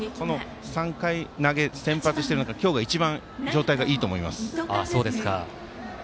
３回先発している中で今日が一番状態がいいと思います。